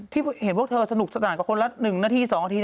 ที่เห็นพวกเธอสนุกสนานกว่าคนละ๑นาที๒นาที